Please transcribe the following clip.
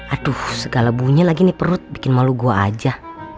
aduh segala bunyi lagi nih perut bikin malu gue aja